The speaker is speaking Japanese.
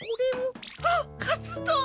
はっカツどん！